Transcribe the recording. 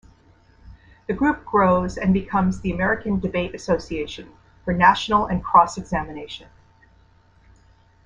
The group grows and becomes the American Debate Association, for National and Cross examination.